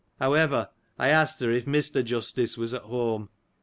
However, I asked her, if Mr. Justice was at home.